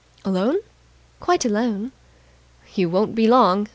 "Alone?" "Quite alone." "You won't be long!"